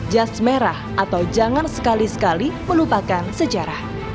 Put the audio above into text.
jas merah atau jangan sekali sekali melupakan sejarah